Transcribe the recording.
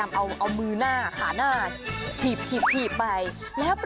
มันก็เดินเข้าบ้าน